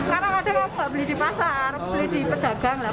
karena kadang kadang aku gak beli di pasar beli di pedagang lah